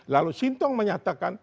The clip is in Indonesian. lalu sintong menyatakan